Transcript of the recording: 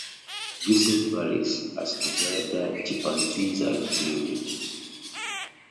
Usage varies as to whether chimpanzees are included.